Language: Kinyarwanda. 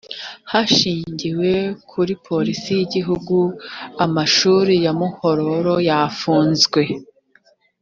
hashingiwe kuri politiki y’igihugu amashuli ya muhororo yafunzwe